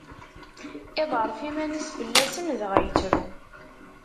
Iḍerref iman-is fell-asen dɣa yettru.